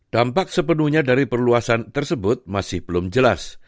dampak sepenuhnya dari perluasan tersebut masih belum jelas